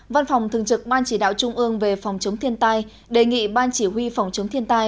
văn phòng thường trực ban chỉ đạo trung ương về phòng chống thiên tai đề nghị ban chỉ huy phòng chống thiên tai